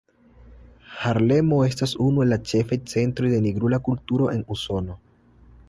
Harlemo estas unu el la ĉefaj centroj de nigrula kulturo en Usono.